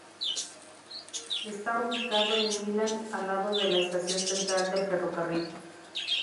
Está ubicado en Milán a lado de la estación Central del ferrocarril.